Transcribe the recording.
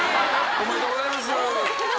ありがとうございます。